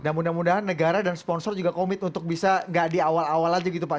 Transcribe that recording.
dan mudah mudahan negara dan sponsor juga komit untuk bisa tidak di awal awal saja gitu pak